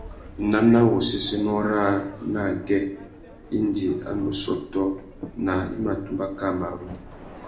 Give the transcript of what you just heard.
Nana wu séssénô râā nà agüê indi a ndú sôtô naā i mà tumba kā marru.